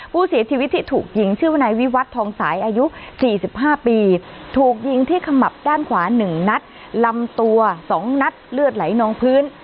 ผู้เสียชีวิตที่ถูกยิงชื่อวนายวิวัตรทองสายอายุ๔๕ปีถูกยิงที่ขมับด้านขวา๑นัดลำตัว๒นัดเลือดไหลนองพื้น